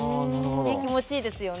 ねっ気持ちいいですよね